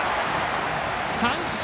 三振！